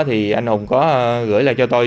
thì anh hùng có gửi lại cho tôi